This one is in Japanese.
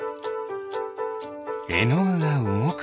えのぐがうごく。